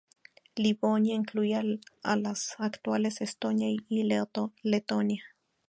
Livonia incluía a las actuales Estonia y Letonia.